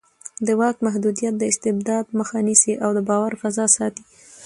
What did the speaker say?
د واک محدودیت د استبداد مخه نیسي او د باور فضا ساتي